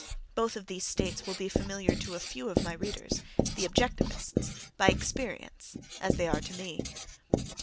(—Both of these states will be familiar to a few of my readers, the objectivists, by experience, as they are to me).